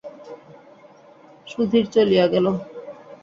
সুধীর চলিয়া গেল।